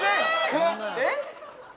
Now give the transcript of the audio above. えっ？